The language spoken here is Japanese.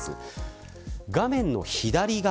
画面の左側